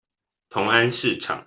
同安市場